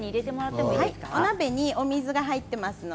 お鍋にお水が入っています。